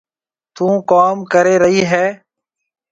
ٿُون ڪوم ڪري رئي هيَ۔